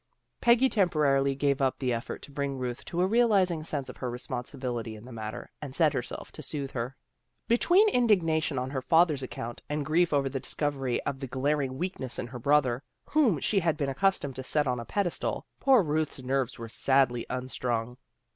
" Peggy temporarily gave up the effort to bring Ruth to a realizing sense of her responsi bility in the matter, and set herself to soothe her. Between indignation on her father's ac count, and grief over the discovery of the glar ing weakness in the brother, whom she had been accustomed to set on a pedestal, poor Ruth's nerves were sadly unstrung.